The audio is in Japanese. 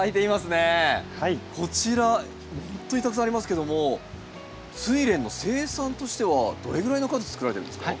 こちらほんとにたくさんありますけどもスイレンの生産としてはどれぐらいの数つくられているんですか？